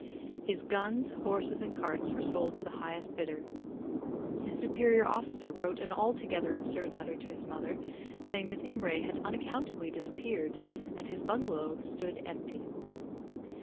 His guns, horses, and carts were sold to the highest bidder. His superior officer wrote an altogether absurd letter to his mother, saying that Imray had unaccountably disappeared, and his bungalow stood empty.